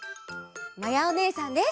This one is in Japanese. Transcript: まやおねえさんです！